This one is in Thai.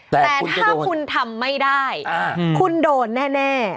แต่ถ้าคุณทำไม่ได้คุณโดนแน่